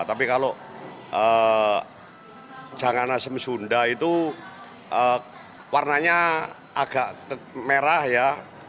tapi kalau jangan asem sunda itu warnanya agak merah ya